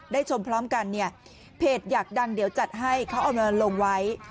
ชมพร้อมกันเนี่ยเพจอยากดังเดี๋ยวจัดให้เขาเอามาลงไว้